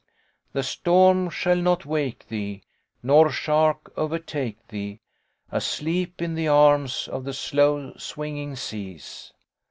'' The storm shall not wake thee, Nor shark overtake thee, Asleep in the arms of the slow swinging seas.'